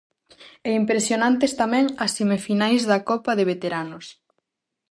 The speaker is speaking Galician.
E impresionantes tamén as semifinais da copa de veteranos.